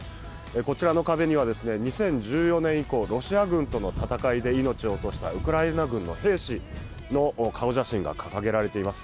こちらの壁には２０１４年以降、ロシア軍との戦いで命を落としたウクライナ軍の兵士の顔写真が掲げられています。